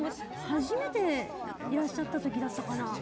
初めていらっしゃった時かな。